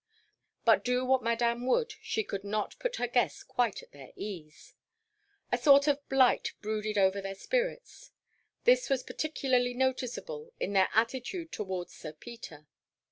But do what Madame would she could not put her guests quite at their ease. A sort of blight brooded over their spirits. This was particularly noticeable in their attitude towards Sir Peter.